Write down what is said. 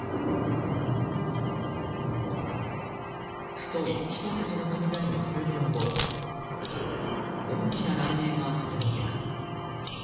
太いひと筋の雷の数秒後大きな雷鳴がとどろきます。